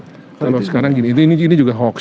kalau sekarang gini ini juga hoax